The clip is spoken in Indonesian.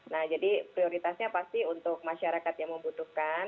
nah jadi prioritasnya pasti untuk masyarakat yang membutuhkan